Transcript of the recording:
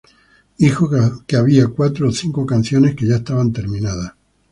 Dijo que había cuatro o cinco canciones que ya estaban terminadas.